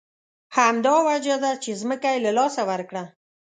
همدا وجه وه چې ځمکه یې له لاسه ورکړه.